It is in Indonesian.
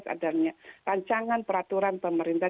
adanya rancangan peraturan pemerintah